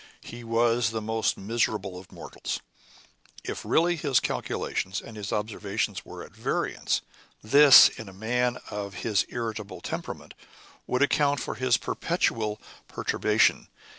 He was the most miserable of mortals. If really his calculations and his observations were at variance, this, in a man of his irritable temperament, would account for his perpetual perturbation.